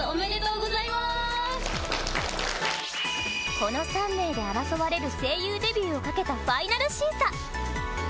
この３名で争われる声優デビューをかけたファイナル審査。